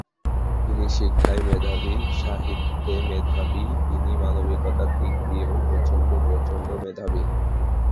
তিনি শিক্ষায় মেধাবী, সাহিত্যে মেধাবী, তিনি মানবতার দিক দিয়েও প্রচণ্ড প্রচণ্ড মেধাবী।